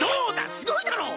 すごいだろ？